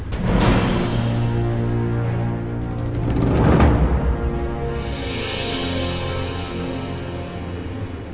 ini udah waktu yang zamhe